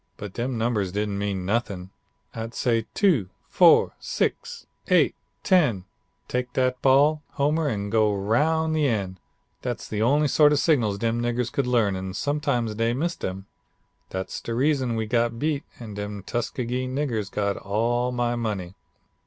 But dem numbers didn't mean nothin'. I'd say, "two, four, six, eight, ten tek dat ball, Homer, an' go roun' the end." Dat's de only sort of signals dem niggers could learn and sometimes dey missed dem. Dat's de reason we got beat and dem Tuskegee niggers got all my money.